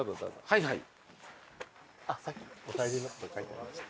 はいはい。